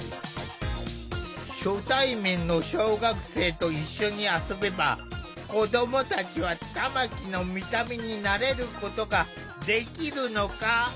初対面の小学生と一緒に遊べば子どもたちは玉木の見た目に慣れることができるのか？